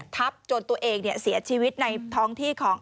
ทับจนตัวเองเสียชีวิตในท้องที่ของ